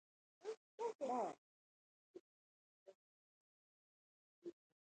ژمی د واورې موسم دی